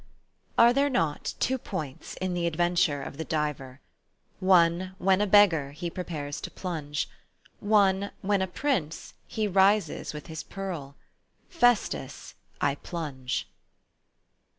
"Are there not ... Two points in the adventure of the diver? One when, a beggar, he prepares to plunge ; One when, a prince, he rises with his pearl. Festus, I plunge